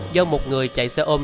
do một người chạy xe ôm